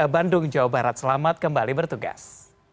bandung jawa barat selamat kembali bertugas